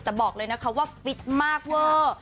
แต่บอกเลยนะคะว่าฟิตมากเวอร์